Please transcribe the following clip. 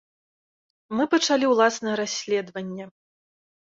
Мы пачалі ўласнае расследаванне.